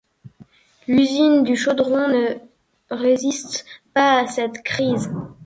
L'usine du chaudron ne résiste pas à cette crise.